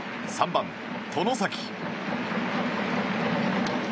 ３番、外崎。